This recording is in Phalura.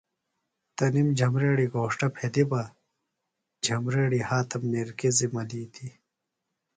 تنِم جھمبریڑی گھوݜٹہ پھیدیۡ بہ جھمبریڑیۡ ہاتم نِکرِزیۡ ملِیتیۡ۔